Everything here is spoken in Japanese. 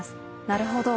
なるほど。